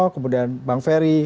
kemudian bang ferry